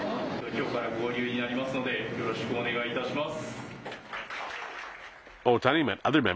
きょうから合流になりますので、よろしくお願いいたします。